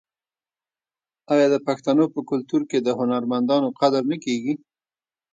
آیا د پښتنو په کلتور کې د هنرمندانو قدر نه کیږي؟